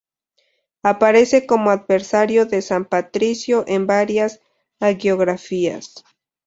Aparece como adversario de San Patricio en varias hagiografías.